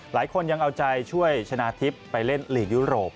หลายคนยังเอาใจช่วยชนะทิพย์ไปเล่นลีกยุโรป